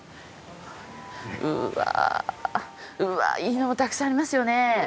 うわあうわあいいのもたくさんありますよね。